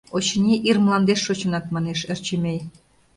Очыни, ир мландеш шочынат, — манеш Ӧрчемей.